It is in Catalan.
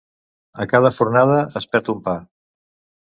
A cada fornada es perd un pa.